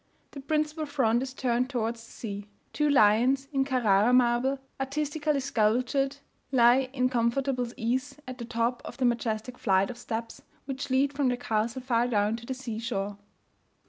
The principal front is turned towards the sea. Two lions, in Carrara marble, artistically sculptured, lie in comfortable ease at the top of the majestic flight of steps which lead from the castle far down to the sea shore.